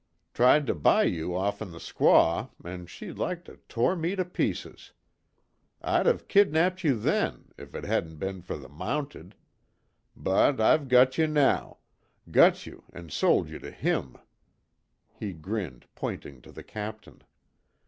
Tried to buy you offen the squaw an' she like to tore me to pieces. I'd of kidnapped you then, if it hadn't be'n fer the Mounted. But I've got you now got you an' sold you to him," he grinned, pointing to the Captain.